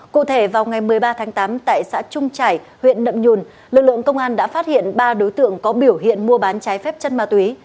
cụ thể vào ngày một mươi ba tháng tám tại xã trung trải huyện nậm nhùn lực lượng công an đã phát hiện ba đối tượng có biểu hiện mua bán trái phép chất ma túy